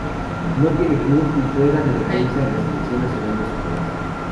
No tiene club y juega de defensa en la selección nacional de su país.